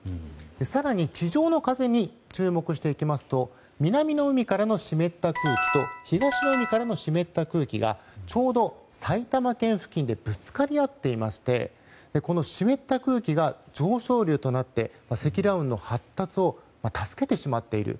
更に、地上の風に注目していきますと南の海からの湿った空気と東の海からの湿った空気がちょうど埼玉県付近でぶつかり合っていまして湿った空気が上昇流となって積乱雲の発達を助けてしまっている。